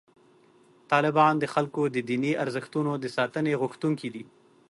طالبان د خلکو د دیني ارزښتونو د ساتنې غوښتونکي دي.